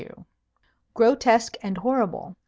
"Grotesque and horrible."